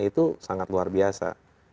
itu sangat luar biasa